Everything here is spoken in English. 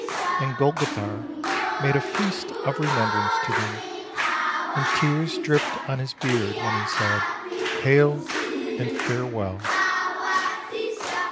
And Golgothar made a feast of remembrance to them, and tears dripped on his beard when he said, " Hail and Farewell